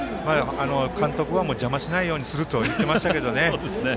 監督は邪魔しないようにすると言っていましたけどね